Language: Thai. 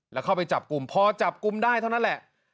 แล้วเข้าไปจับกลุ่มพอจับกลุ่มได้เท่านั้นแหละ